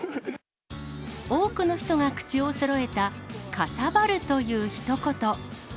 多くの人が口をそろえた、かさばるというひと言。